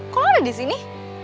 kok lo ada di sini